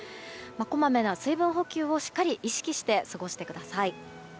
こまめな水分補給をしっかり意識して過ごしてください。